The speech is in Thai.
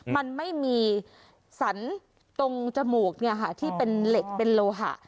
มันไม่มีสันตรงจมูกที่เป็นเหล็กเป็นโลหะ